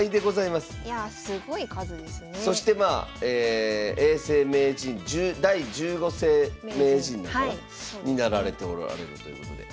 そしてまあ永世名人第十五世名人になられておられるということで。